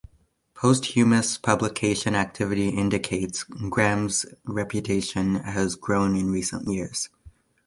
Posthumous publication activity indicates, Graham's reputation has grown in recent years.